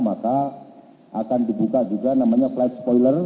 maka akan dibuka juga namanya flight spoiler